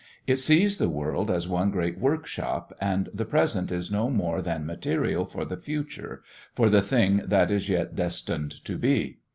It sees the world as one great workshop, and the present is no more than material for the future, for the thing that is yet destined to be.